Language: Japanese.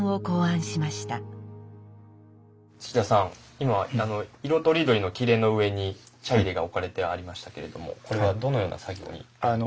今色とりどりの裂の上に茶入が置かれてありましたけれどもこれはどのような作業になるんでしょうか？